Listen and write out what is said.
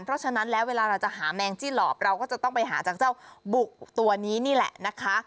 เพราะฉะนั้นแล้วเวลาเราจะหาแมงจี้หลอบเราก็จะต้องไปหาจากเจ้าบุกตัวนี้นี่แหละนะคะ